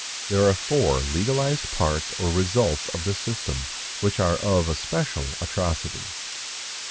There are four legalized parts or results of the system, which are of especial atrocity.